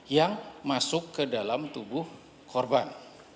yang masuk ke dalam tubuh korban